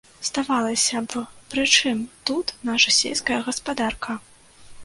Здавалася б, прычым тут наша сельская гаспадарка.